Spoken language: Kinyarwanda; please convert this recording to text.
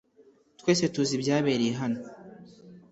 Twese tuzi ibyabereye hano .